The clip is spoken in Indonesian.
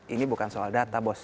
ini bukan soal data bos